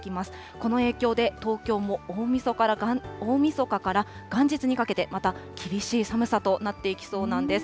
この影響で、東京も大みそかから元日にかけて、また厳しい寒さとなっていきそうなんです。